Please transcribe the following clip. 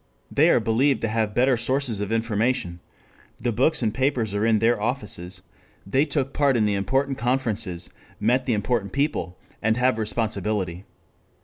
They are believed to have better sources of information. The books and papers are in their offices. They took part in the important conferences. They met the important people. They have responsibility.